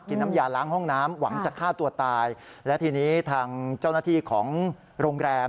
น้ำยาล้างห้องน้ำหวังจะฆ่าตัวตายและทีนี้ทางเจ้าหน้าที่ของโรงแรม